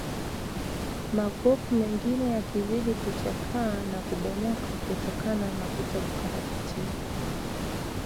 Magofu mengine yakizidi kuchakaa na kubomoka kutokana na kutokarabatiwa